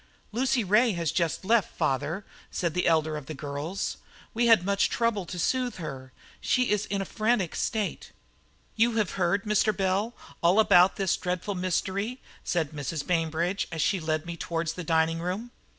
"Lucy Ray has just left, father," said the elder of the girls. "We had much trouble to soothe her; she is in a frantic state." "You have heard, Mr. Bell, all about this dreadful mystery?" said Mrs. Bainbridge as she led me towards the dining room.